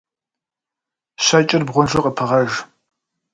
Щэкӏыр бгъунжу къыпыгъэж.